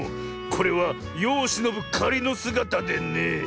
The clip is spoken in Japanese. これはよをしのぶかりのすがたでね。